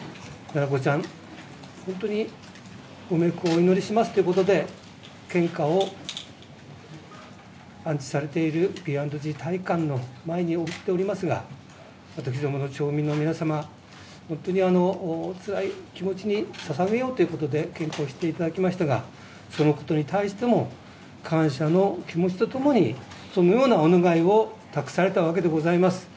七菜子ちゃん、本当にご冥福をお祈りしますということで、献花を安置されているビーアンドジー体育館の前に置いておりますが、私どもの町民の皆様、本当につらい気持ちにささげようということで、献花をしていただきましたが、そのことに対しても、感謝の気持ちとともに、そのようなお願いを託されたわけでございます。